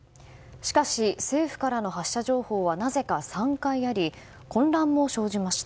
しかし政府からの発射情報はなぜか３回あり混乱も生じました。